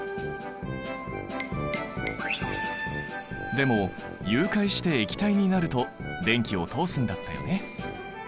でも融解して液体になると電気を通すんだったよね。